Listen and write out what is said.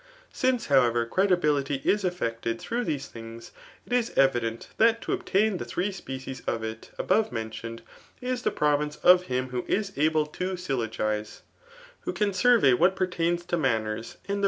Since, however, credibiiity is efiectisd through these things, it is evident that tabhtaia tbe diree species of. it [above mentioBed]] is the pttviioe ^:fafan who IS able to syllogize, who can survey what pertains^ to maimers and the.